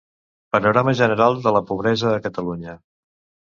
Panorama general de la pobresa a Catalunya.